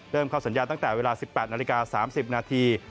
เข้าสัญญาณตั้งแต่เวลา๑๘นาฬิกา๓๐นาที